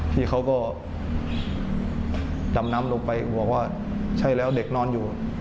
พี่เขาก็ดำน้ำลงไปบอกว่าใช่แล้วเด็กนอนอยู่